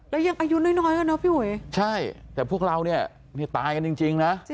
แล้วยังอายุน้อยกับน้ำพี่หูยใช่แต่พวกเราได้ตายกันจริงนะ